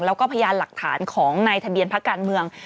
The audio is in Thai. แล้วก็พยานหลักฐานของในทะเบียนพักการเมือง